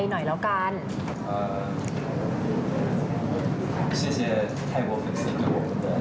มีความสัยมีความสัย